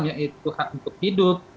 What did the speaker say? yang itu hak untuk hidup